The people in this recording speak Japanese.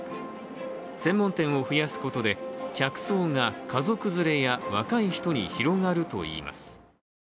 専門店を増やすことで、客層が家族連れや若い人に広がるといいます。